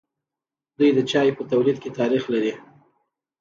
دوی د چای په تولید کې تاریخ لري.